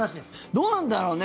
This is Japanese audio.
どうなんだろうね。